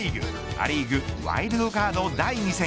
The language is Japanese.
ア・リーグワイルドカード第２戦。